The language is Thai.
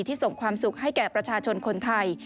ส่งความสุขให้แก่ประชาชนคนไทย